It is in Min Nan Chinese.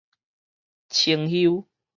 清休